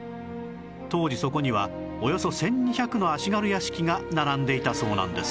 当時そこにはおよそ１２００の足軽屋敷が並んでいたそうなんです